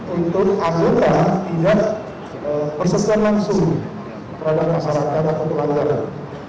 untuk akunnya tidak prosesnya langsung terhadap masyarakat atau pelanggaran